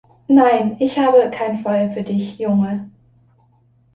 Nein, ich habe kein Feuer für dich, Junge.